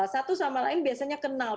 satu sama lain biasanya kenal